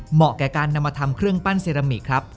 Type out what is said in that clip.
แก่การนำมาทำเครื่องปั้นเซรามิกครับ